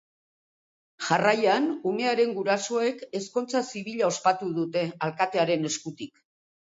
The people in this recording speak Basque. Jarraian, umearen gurasoek ezkontza zibila ospatu dute, alkatearen eskutik.